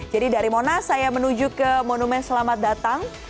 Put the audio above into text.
jadi dari monas saya menuju ke monumen selamat datang